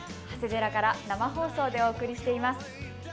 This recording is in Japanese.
長谷寺から生放送でお送りしています。